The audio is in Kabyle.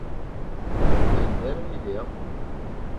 Anda ara iliɣ?